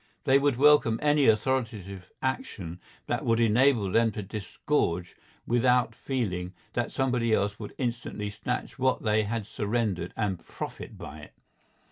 They would welcome any authoritative action that would enable them to disgorge without feeling that somebody else would instantly snatch what they had surrendered and profit by it.